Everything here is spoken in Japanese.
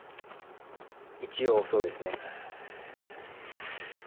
一応、そうですね。